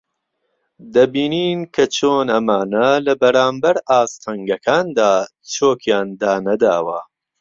دەبینین کە چۆن ئەمانە لە بەرانبەر ئاستەنگەکاندا چۆکیان دانەداوە